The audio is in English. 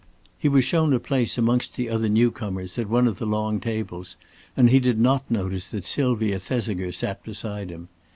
He was shown a place amongst the other newcomers at one of the long tables, and he did not notice that Sylvia Thesiger sat beside him.